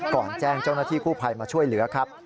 ก่อนแจ้งเจ้าหน้าที่กู้ภัยมาช่วยเหลือครับ